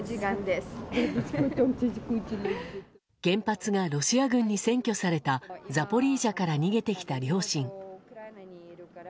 原発がロシア軍に占拠されたザポリージャから逃げてきた両親。